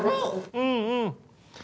うんうん。